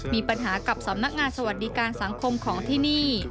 มีปัญหากับสำนักงานสวัสดิการสังคมของที่นี่